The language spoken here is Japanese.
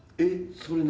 それ何？